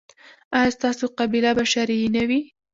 ایا ستاسو قباله به شرعي نه وي؟